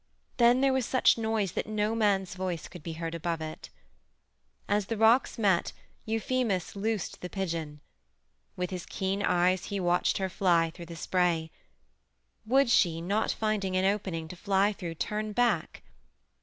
Then there was such noise that no man's voice could be heard above it. As the rocks met, Euphemus loosed the pigeon. With his keen eyes he watched her fly through the spray. Would she, not finding an opening to fly through, turn back?